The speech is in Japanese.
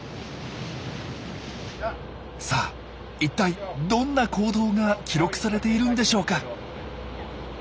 さあいったいどんな行動が記録されているんでしょうか。